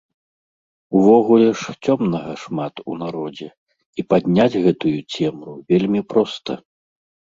Увогуле ж, цёмнага шмат у народзе, і падняць гэтую цемру вельмі проста.